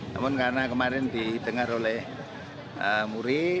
namun karena kemarin didengar oleh muri